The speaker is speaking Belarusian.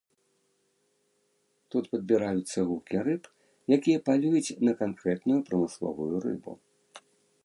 Тут падбіраюцца гукі рыб, якія палююць на канкрэтную прамысловую рыбу.